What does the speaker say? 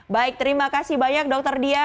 baik terima kasih banyak dokter dia